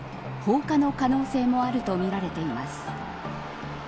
放火の可能性もあるとみられています。